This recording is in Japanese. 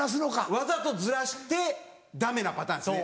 わざとずらしてダメなパターンですね。